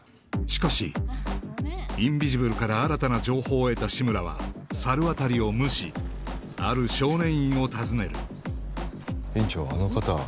しかしインビジブルから新たな情報を得た志村は猿渡を無視ある少年院を訪ねる院長あの方は？